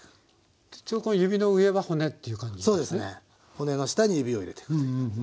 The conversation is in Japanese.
骨の下に指を入れていくという。